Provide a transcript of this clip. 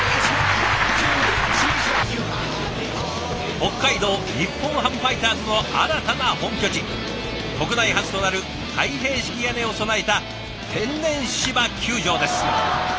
北海道日本ハムファイターズの新たな本拠地国内初となる開閉式屋根を備えた天然芝球場です。